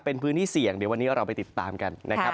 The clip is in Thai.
เป็นพื้นที่เสี่ยงเดี๋ยววันนี้เราไปติดตามกันนะครับ